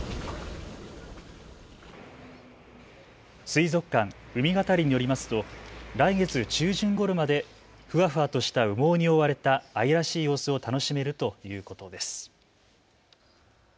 水族館うみがたりによりますと来月中旬ごろまでふわふわとした羽毛に覆われた愛らしい様子を楽しめるということです。